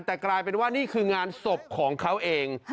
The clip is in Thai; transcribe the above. แต่กลายเป็นว่านี่คืองานศพของเขาเอง